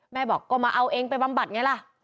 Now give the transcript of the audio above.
แม่บอกก็มาเอาเองไปบำบัดไงล่ะ